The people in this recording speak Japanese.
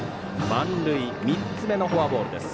満塁、３つ目のフォアボールです。